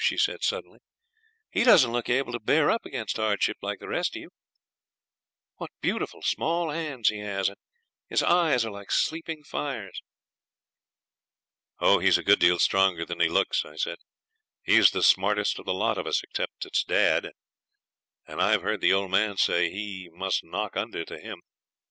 she said suddenly. 'He doesn't look able to bear up against hardship like the rest of you. What beautiful small hands he has, and his eyes are like sleeping fires.' 'Oh, he's a good deal stronger than he looks,' I said; 'he's the smartest of the lot of us, except it is dad, and I've heard the old man say he must knock under to him.